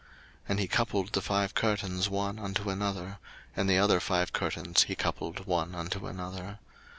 02:036:010 And he coupled the five curtains one unto another: and the other five curtains he coupled one unto another.